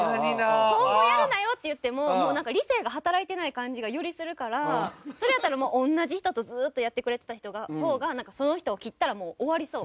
今後やるなよって言ってももう理性が働いてない感じがよりするからそれやったらもうおんなじ人とずーっとやってくれてた方がその人を切ったらもう終わりそう。